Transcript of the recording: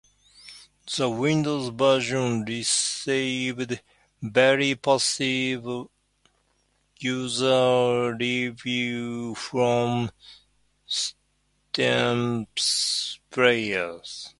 The Windows version received "very positive" user reviews from Steam players.